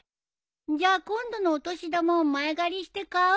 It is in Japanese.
じゃあ今度のお年玉を前借りして買う。